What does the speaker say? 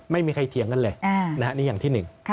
ไม่มีใครเถียงกันเลยนี่อย่างที่หนึ่ง